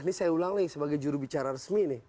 ini saya ulang nih sebagai jurubicara resmi nih